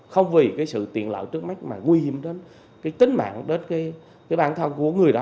không vì cái sự tiện lợi trước mắt mà nguy hiểm đến cái tính mạng đến cái bản thân của người đó